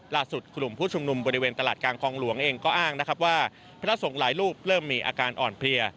กลุ่มผู้ชุมนุมบริเวณตลาดกลางคลองหลวงเองก็อ้างนะครับว่าพระสงฆ์หลายรูปเริ่มมีอาการอ่อนเพลีย